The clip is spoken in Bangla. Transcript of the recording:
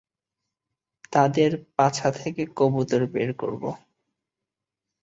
তাদের পাছা থেকে কবুতর বের করব।